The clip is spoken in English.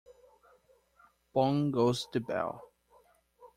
Bong goes the bell.